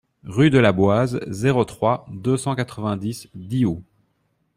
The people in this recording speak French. Rue de la Boise, zéro trois, deux cent quatre-vingt-dix Diou